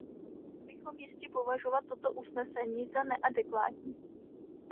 Mohli bychom jistě považovat toto usnesení za neadekvátní.